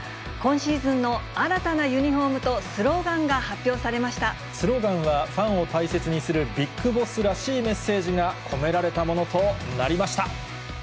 今シーズンの新たなユニホームとスローガンは、ファンを大切にするビッグボスらしいメッセージが込められたもの